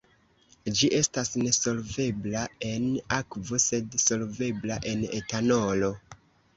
Ĝi estas nesolvebla en akvo sed solvebla en etanolo.